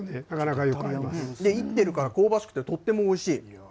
いってるから、香ばしくてとってもおいしい。